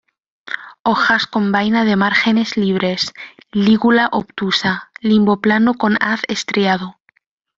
Hojas con vaina de márgenes libres; lígula obtusa; limbo plano con haz estriado.